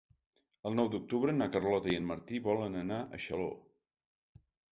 El nou d'octubre na Carlota i en Martí volen anar a Xaló.